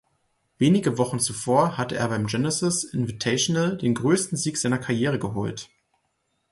Wenige Wochen zuvor hatte er beim Genesis Invitational den größten Sieg seiner Karriere geholt.